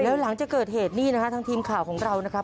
แล้วหลังจากเกิดเหตุนี่นะฮะทางทีมข่าวของเรานะครับ